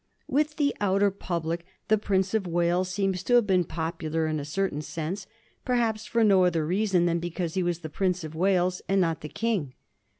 With the outer public the Prince of Wales seems to have been popular in a certain sense, perhaps for no other rea son than because he was the Prince of Wales and not the King.